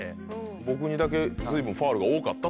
僕にだけずいぶんファウルが多かったと。